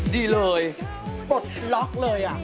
ดีเลยปลดล็อกเลย